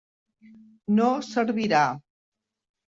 No servirà.